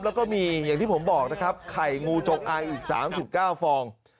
แล้วก็มีอย่างที่ผมบอกนะครับไข่งูจงอางอีก๓๙ฟอง